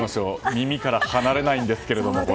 耳から離れないんですけれども。